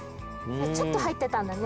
ちょっとはいってたんだね。